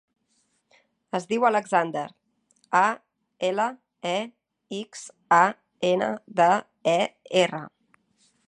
Es diu Alexander: a, ela, e, ics, a, ena, de, e, erra.